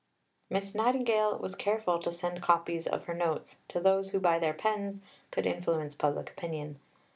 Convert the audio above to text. Miss Nightingale was careful to send copies of her Notes to those who, by their pens, could influence public opinion.